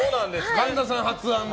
神田さん発案で。